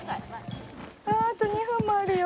あと２分もあるよ